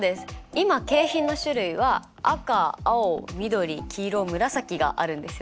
今景品の種類は赤青緑黄色紫があるんですよね。